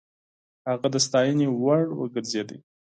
هغه د ستاينې وړ وګرځېد.